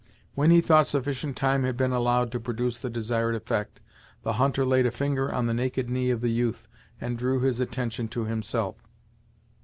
When he thought sufficient time had been allowed to produce the desired effect, the hunter laid a finger on the naked knee of the youth and drew his attention to himself.